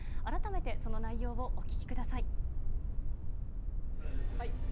改めてその内容をお聞きください。